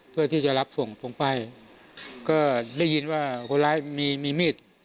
เพื่อที่จะรับส่งผมไปก็ได้ยินว่าคนร้ายมีมีมีด